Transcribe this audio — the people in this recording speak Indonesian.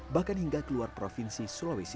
bahkan hingga ke luar provinsi sulawesi selatan